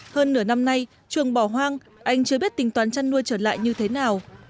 hơn nửa năm nay chuồng bỏ hoang anh chưa biết tình toán chăn nuôi trở lại như thế nào